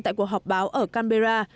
tại cuộc họp báo ở canberra